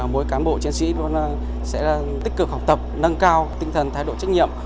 mỗi cán bộ chiến sĩ sẽ tích cực học tập nâng cao tinh thần thái độ trách nhiệm